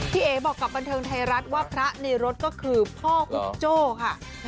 เอ๋บอกกับบันเทิงไทยรัฐว่าพระในรถก็คือพ่อคุกโจ้ค่ะ